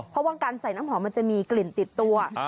เพราะว่าการใส่น้ำหอมมันจะมีกลิ่นติดตัว